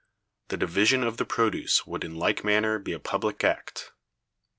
The division of the produce would in like manner be a public act.